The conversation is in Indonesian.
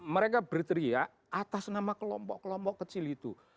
mereka berteriak atas nama kelompok kelompok kecil itu